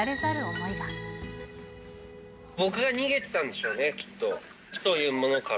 僕が逃げてたんですよね、きっと。